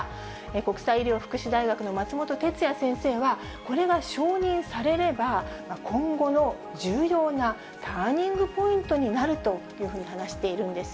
国際医療福祉大学の松本哲哉先生は、これが承認されれば、今後の重要なターニングポイントになるというふうに話しているんです。